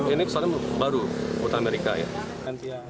ini pesawat baru buatan amerika ya